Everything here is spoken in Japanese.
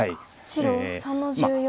白３の十四。